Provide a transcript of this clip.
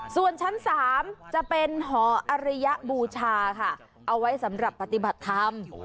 ส่วนชั้น๓จะเป็นหออริยบูชาค่ะเอาไว้สำหรับปฏิบัติธรรม